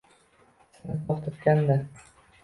sizni to'xtatganda